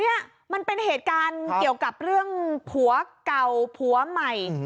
นี่มันเป็นเหตุการณ์เกี่ยวกับเรื่องผัวเก่าผัวใหม่